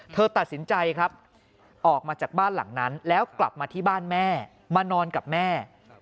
ตัดสินใจครับออกมาจากบ้านหลังนั้นแล้วกลับมาที่บ้านแม่มานอนกับแม่